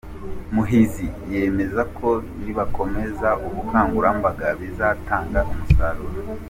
Muhizi yemeza ko nibakomeza ubukangurambaga, bizatanga umusaruro.